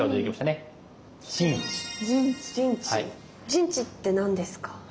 陣地って何ですか？